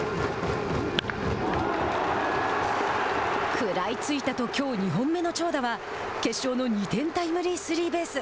食らいついたときょう２本目の長打は決勝の２点タイムリースリーベース。